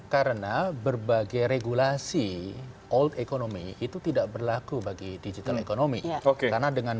karena berbagai regulasi old economy itu tidak berlaku bagi digital economy oke karena dengan